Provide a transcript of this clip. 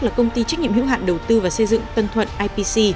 là công ty trách nhiệm hữu hạn đầu tư và xây dựng tân thuận ipc